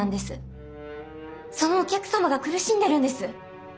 そのお客様が苦しんでるんです。